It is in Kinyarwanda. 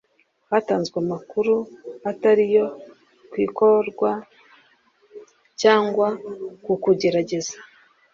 hatanzwe amakuru atari yo ku ikorwa cyangwa ku kugerageza